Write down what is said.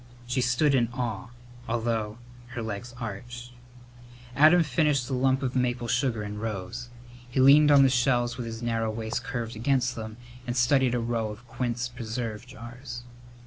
She stood in awe, although her legs ached. Adam finished the lump of maple sugar and rose. He leaned on the shelves with his narrow waist curved against them and studied a row of quince preserve jars.